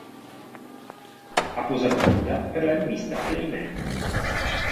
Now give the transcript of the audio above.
Ha posato nuda per la rivista Playmen.